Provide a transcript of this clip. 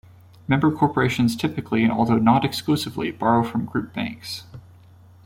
Member corporations typically, although not exclusively, borrow from group banks.